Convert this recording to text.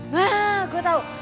wah gue tahu